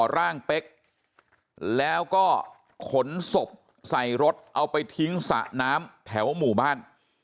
ร่างเป๊กแล้วก็ขนศพใส่รถเอาไปทิ้งสระน้ำแถวหมู่บ้าน